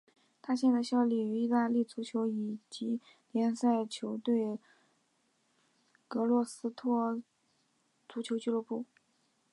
他现在效力于意大利足球乙级联赛球队格罗瑟托足球俱乐部。